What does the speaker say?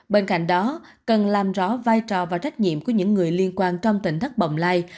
bên cạnh đó cần làm rõ vai trò và trách nhiệm của những người liên quan trong tỉnh thất bồng lai